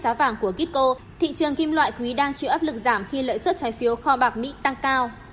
giá vàng của kitco thị trường kim loại quý đang chịu áp lực giảm khi lợi suất trái phiếu kho bạc mỹ tăng cao